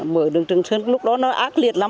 mở đường trường sơn lúc đó nó ác liệt lắm